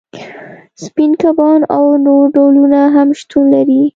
سپین کبان او نور ډولونه هم شتون لري